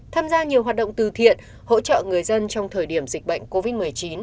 tham gia nhiều hoạt động từ thiện hỗ trợ người dân trong thời điểm dịch bệnh covid một mươi chín